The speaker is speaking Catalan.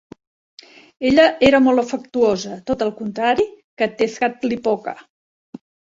Ella era molt afectuosa, tot al contrari que Tezcatlipoca.